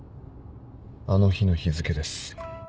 あの日の日付です。